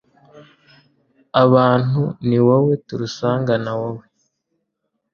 abantu, ni wowe turusangana, wowe